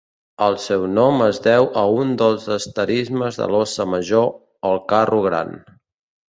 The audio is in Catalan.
El seu nom es deu a un dels asterismes de l'Óssa Major, el Carro Gran.